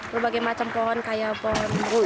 berbagai macam pohon kayak pohon buah